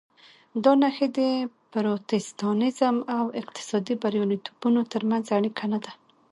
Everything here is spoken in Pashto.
دا نښې د پروتستانېزم او اقتصادي بریالیتوبونو ترمنځ اړیکه نه ده.